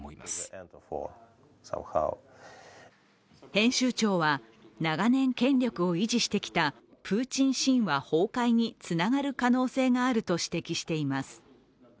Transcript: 編集長は、長年権力を維持してきたプーチン神話崩壊につながる可能性があると指摘しています。